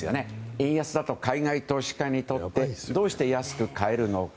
円安だと海外投資家にとってどうして安く買えるのか。